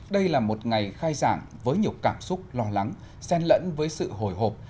đây là một ngày khai giảng với nhiều cảm xúc lo lắng sen lẫn với sự hồi hộp